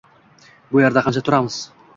Bu yerda qancha turamiz?